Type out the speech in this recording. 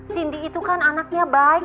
cindy itu kan anaknya baik